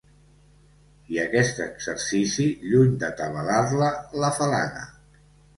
I aquest exercici, lluny d'atabalar-la, l'afalaga.